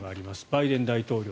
バイデン大統領。